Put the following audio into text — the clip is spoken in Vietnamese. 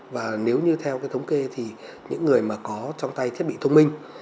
và nếu như theo cái thống kê thì những người mà có trong tay thiết bị thông minh